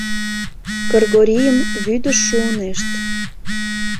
Кыргорийым вӱдыш шуынешт.